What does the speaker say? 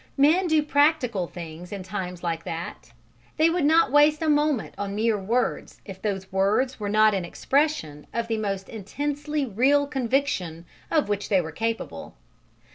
Men do practical things in times like that: they would not waste a moment on mere words if those words were not an expression of the most intensely real conviction of which they were capable.